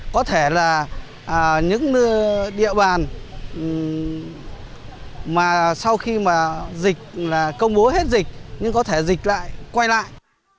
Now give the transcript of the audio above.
có thể là những địa bàn mà sau khi mà dịch là công bố hết dịch nhưng có thể dịch lại quay lại